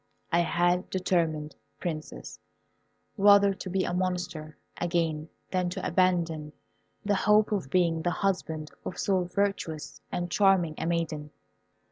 I had determined, Princess, rather to be a monster again than to abandon the hope of being the husband of so virtuous and charming a maiden.